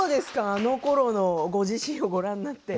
あのころのご自身をご覧になって。